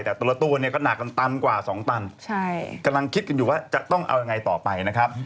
แต่แต่ละตัวเนี่ยก็หนักกันตันกว่าสองตันกำลังคิดกันอยู่ว่าจะต้องเอายังไงต่อไปนะครับ